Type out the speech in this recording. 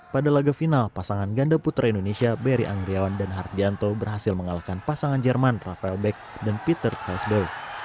pada laga final pasangan ganda putra indonesia beri anggriawan dan hardianto berhasil mengalahkan pasangan jerman rafael beck dan peter fesbo